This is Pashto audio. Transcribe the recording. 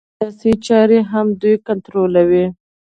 د ټولنې سیاسي چارې هم دوی کنټرولوي